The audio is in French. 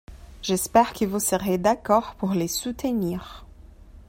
J’espère que vous serez d’accord pour le soutenir.